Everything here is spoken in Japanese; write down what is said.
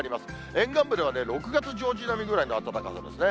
沿岸部では６月上旬並みぐらいの暖かさですね。